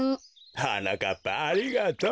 はなかっぱありがとう。